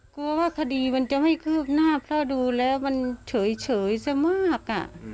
กลัวว่าคดีมันจะไม่เกือบหน้าเพราะดูแรงมันเผวยเฉยเฉยแซมมาก